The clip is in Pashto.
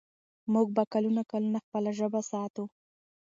موږ به کلونه کلونه خپله ژبه ساتو.